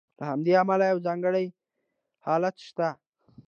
له همدې امله یو ځانګړی حالت شته.